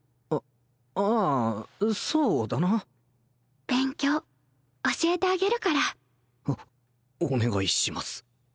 あああそうだな勉強教えてあげるからおお願いします